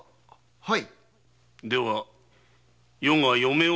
はい。